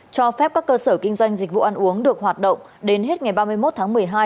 cho phép các cơ sở kinh doanh dịch vụ ăn uống được hoạt động đến hết ngày ba mươi một tháng một mươi hai